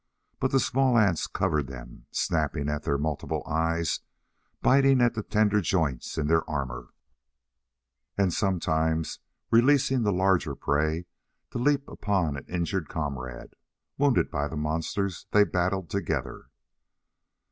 But the small ants covered them, snapping at their multiple eyes, biting at the tender joints in their armour, and sometimes releasing the larger prey to leap upon an injured comrade, wounded by the monster they battled together.